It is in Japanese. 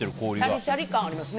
シャリシャリ感ありますね。